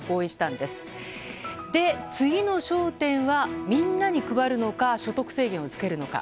で、次の焦点はみんなに配るのか所得制限をつけるのか。